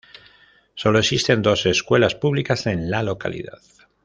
Sólo existen dos escuelas públicas en la localidad.